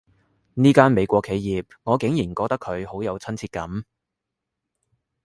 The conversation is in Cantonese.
呢間美國企業，我竟然覺得佢好有親切感